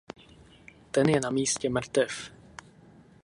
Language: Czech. Ten je na místě mrtev.